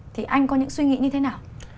thì anh có những suy nghĩ như thế nào